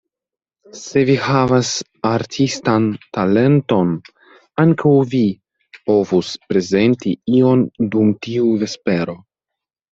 Se vi havas artistan talenton, ankaŭ vi povus prezenti ion dum tiu vespero.